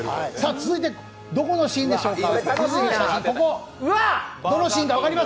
続いて、どこのシーンでしょうか？